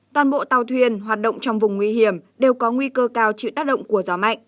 toàn bộ tàu thuyền hoạt động trong vùng nguy hiểm đều có nguy cơ cao chịu tác động của gió mạnh